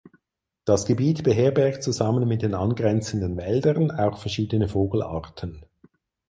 Das Gebiet beherbergt zusammen mit den angrenzenden Wäldern auch verschiedene Vogelarten.